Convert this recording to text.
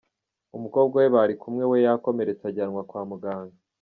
Umukobwa we bari kumwe we yakomeretse ajyanwa kwa muganga.